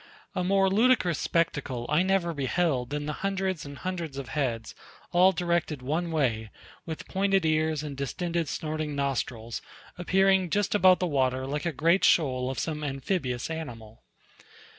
A more ludicrous spectacle I never beheld than the hundreds and hundreds of heads, all directed one way, with pointed ears and distended snorting nostrils, appearing just above the water like a great shoal of some amphibious animal.